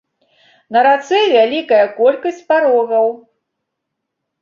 На рацэ вялікая колькасць парогаў.